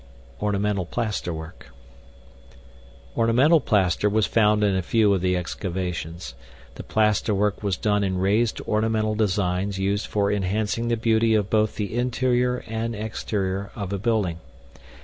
ORNAMENTAL PLASTERWORK Ornamental plaster was found in a few of the excavations. The plasterwork was done in raised ornamental designs used for enhancing the beauty of both the interior and exterior of a building.